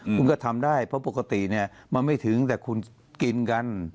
คุณก็ทำได้เพราะปกติเนี่ยมันไม่ถึงแต่คุณกินกัน